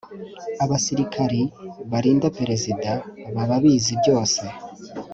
Abasirikari barinda perezida bababizi byose